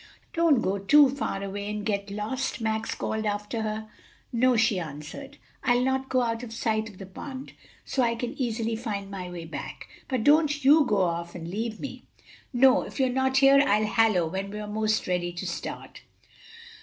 "Don't go too far away and get lost," Max called after her. "No," she answered, "I'll not go out of sight of the pond; so I can easily find my way back. But don't you go off and leave me." "No; if you're not here, I'll hallo when we're 'most ready to start."